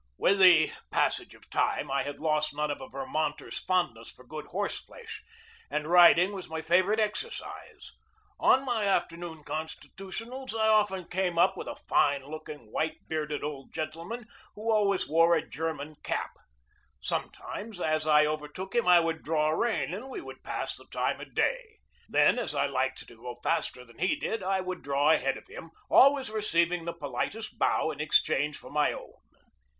With the passage of time I had lost none of a Vermonter's fondness for good horse flesh, and riding was my favorite exercise. On my afternoon consti tutionals I often came up with a fine looking, white iS2 GEORGE DEWEY bearded old gentleman, who always wore a German cap. Sometimes as I overtook him I would draw rein and we would pass the time of day. Then, as I liked to go faster than he did, I would draw ahead of him, always receiving the politest bow in exchange for my own.